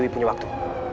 bu dewi punya waktu